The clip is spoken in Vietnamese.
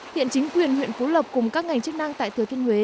hiện chính quyền huyện phú lộc cùng các ngành chức năng tại thừa thiên huế